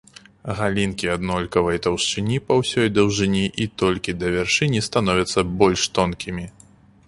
Галінкі аднолькавай таўшчыні па ўсёй даўжыні і толькі да вяршыні становяцца больш тонкімі.